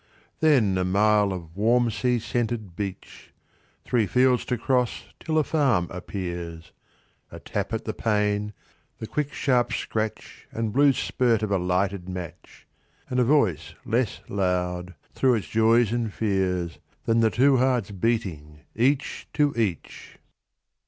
Then a mile of warm sea scented beach; Three fields to cross till a farm appears; A tap at the pane, the quick sharp scratch And blue spurt of a lighted match, And a voice less loud, through its joys and fears, Than the two hearts beating each to each!